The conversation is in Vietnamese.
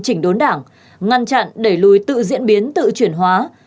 chỉnh đốn đảng ngăn chặn đẩy lùi tự diễn biến tự chuyển hóa